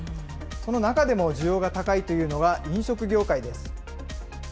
その中でも需要が高いというのは飲食業界です。